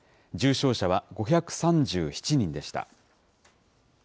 重症者は５３７人でした。